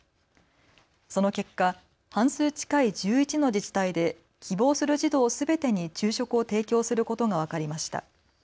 その結果、半数近い１１の自治体で希望する児童すべてに昼食を提供することが分かりました。